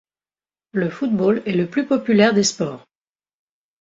Le football est le plus populaire des sports.